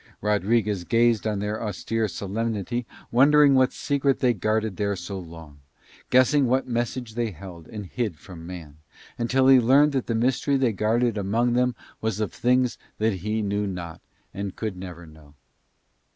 Rodriguez gazed on their austere solemnity, wondering what secret they guarded there for so long, guessing what message they held and hid from man; until he learned that the mystery they guarded among them was of things that he knew not and could never know.